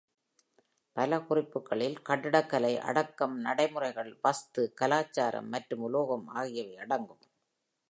பல குறிப்புகளில் கட்டிடக்கலை, அடக்கம் நடைமுறைகள், வஸ்து கலாச்சாரம் மற்றும் உலோகம் ஆகியவை அடங்கும்.